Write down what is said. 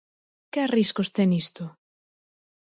Que riscos ten isto?